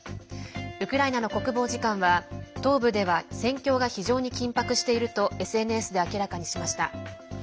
ウクライナの国防次官は東部では戦況が非常に緊迫しているとＳＮＳで明らかにしました。